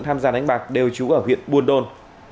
tham gia đánh bạc đều trú ở huyện buôn đôn